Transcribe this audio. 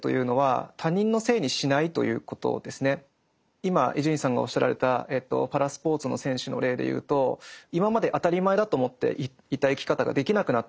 ここで言う今伊集院さんがおっしゃられたパラスポーツの選手の例でいうと今まで当たり前だと思っていた生き方ができなくなってしまった。